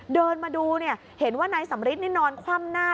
เดินมาดูเนี่ยเห็นว่านายสำริทนี่นอนคว่ำหน้า